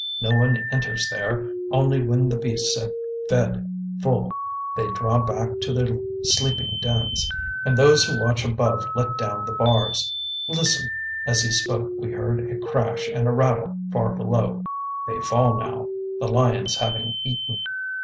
No one enters there, only when the beasts have fed full they draw back to their sleeping dens, and those who watch above let down the bars. Listen," and as he spoke we heard a crash and a rattle far below. "They fall now, the lions having eaten.